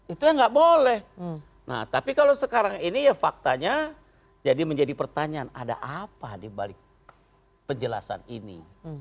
itu yang nggak boleh nah tapi kalau sekarang ini ya faktanya jadi menjadi pertanyaan ada apa dibalik penjelasan ini